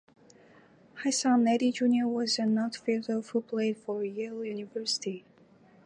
His son, Eddie Junior was an outfielder who played for Yale University.